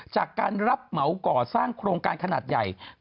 จากการรับเหมาก่อสร้างโครงการขนาดใหญ่